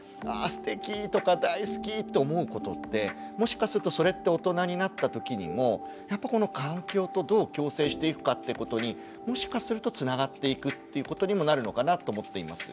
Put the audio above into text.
すてきとか大好きと思うことってもしかするとそれって大人になったときにもやっぱこの環境とどう共生していくかってことにもしかするとつながっていくっていうことにもなるのかなと思っています。